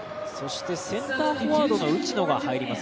センターフォワードの内野が入ります。